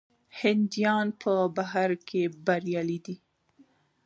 هندیان په بهر کې بریالي دي.